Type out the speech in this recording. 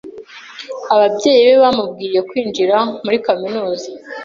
Ababyeyi be bamubwiye kwinjira muri kaminuza.